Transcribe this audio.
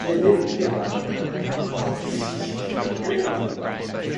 It is part of the Americus Micropolitan Statistical Area.